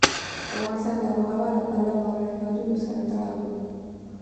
افغانستان د آب وهوا له پلوه له هېوادونو سره تړاو لري.